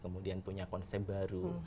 kemudian punya konsep baru